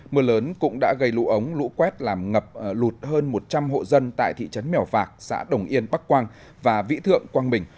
mưa lớn cũng đã gây lũ ống lũ quét làm ngập lụt hơn một trăm linh hộ dân tại thị trấn mèo vạc xã đồng yên bắc quang và vĩ thượng quang bình